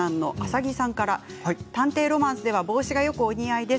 「探偵ロマンス」では帽子がよくお似合いです。